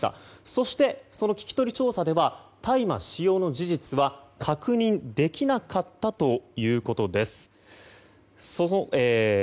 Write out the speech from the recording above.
そして、その聞き取り調査では大麻使用の事実は確認できなかったということです。